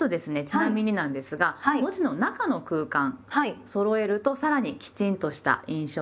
ちなみになんですが文字の中の空間そろえるとさらにきちんとした印象になります。